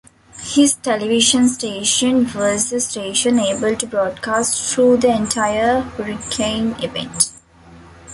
His television station was the station able to broadcast through the entire hurricane event.